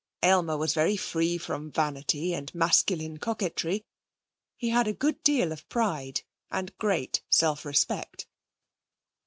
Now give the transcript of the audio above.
Aylmer was very free from vanity and masculine coquetry. He had a good deal of pride and great self respect.